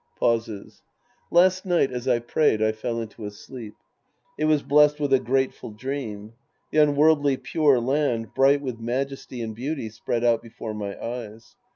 {Pauses.) Last night as I prayed, I fell into a sleep. It was blessed with a grateful dream. The unworldly Pure Land, bright with majesty and beauty, spread out before my eyes.